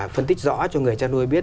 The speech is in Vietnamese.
phân tích rõ cho người trai nuôi biết